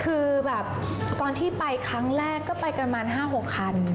คือแบบตอนที่ไปครั้งแรกก็ไปกันประมาณ๕๖คัน